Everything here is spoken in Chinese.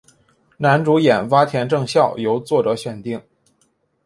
男主演洼田正孝由作者选定。